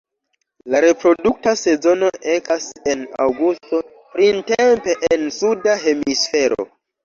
La reprodukta sezono ekas en aŭgusto, printempe en Suda Hemisfero.